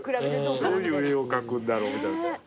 どういう絵を描くんだろう？みたいな。